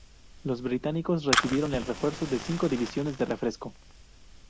Los británicos recibieron el refuerzo de cinco divisiones de refresco.